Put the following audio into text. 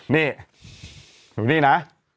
นี่นะ